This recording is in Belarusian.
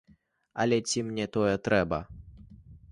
Але ці мне тое трэба?